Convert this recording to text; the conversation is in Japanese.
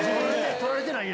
取られてないんや。